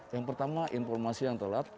yang pertama informasi yang telat